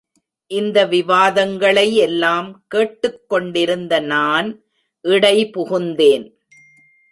இந்த விவாதங்களை எல்லாம் கேட்டுக்கொண்டிருந்த நான் இடைபுகுந்தேன்.